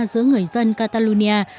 giữa người dân catalonia